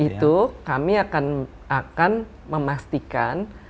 itu kami akan memastikan